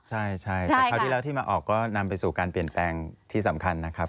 ใช่แต่คราวที่แล้วที่มาออกก็นำไปสู่การเปลี่ยนแปลงที่สำคัญนะครับ